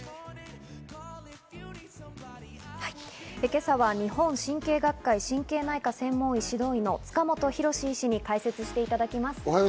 今朝は日本神経学会神経内科専門医指導医の塚本浩氏に解説していただきます。